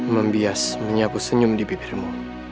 membias menyapu senyum di bibirmu